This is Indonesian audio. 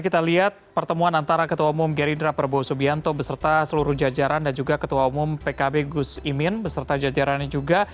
kita lihat pertemuan antara ketua umum gerindra prabowo subianto beserta seluruh jajaran dan juga ketua umum pkb gus imin beserta jajarannya juga